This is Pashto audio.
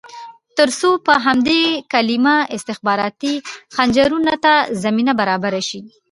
ترڅو په همدې کلمه استخباراتي خنجرونو ته زمینه برابره شي.